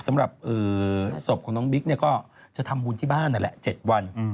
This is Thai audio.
สำหรับศพของน้องบิ๊กก็จะทำบุญที่บ้านนั่นแหละ๗วัน